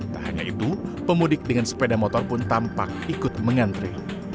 tak hanya itu pemudik dengan sepeda motor pun tampak ikut mengantri